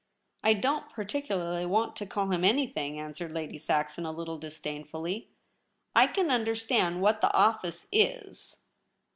' I don't particularly want to call him any thing,' answered Lady Saxon, a little disdain fully. ' I can understand what the office is.